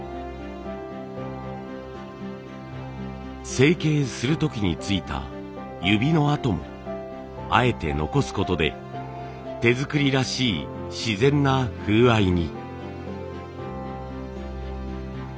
成形する時についた指の跡もあえて残すことで手作りらしい自然な風合いに。